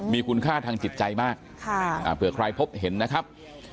มีคุณค่าทางจิตใจมากเผื่อใครพบเห็นนะครับ